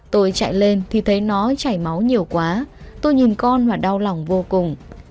tôi chạy lên thì thấy nó chảy máu nhiều quá tôi nhìn con và đau lòng vô cùng